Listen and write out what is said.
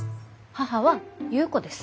母は優子です。